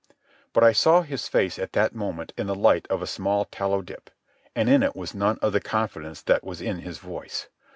But I saw his face at that moment in the light of a small tallow dip, and in it was none of the confidence that was in his voice.